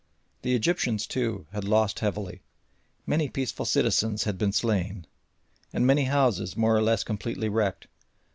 The Egyptians, too, had lost heavily. Many peaceful citizens had been slain, and many houses more or less completely wrecked.